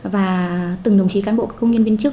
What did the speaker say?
và từng đồng chí cán bộ công nhân viên chức